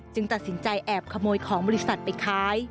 ตัดสินใจแอบขโมยของบริษัทไปขาย